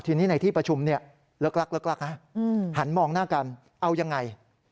ทีนี้ในที่ประชุมหันมองหน้ากันเอายังไง